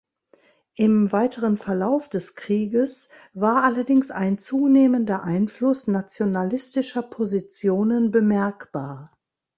Im weiteren Verlauf des Krieges war allerdings ein zunehmender Einfluss nationalistischer Positionen bemerkbar.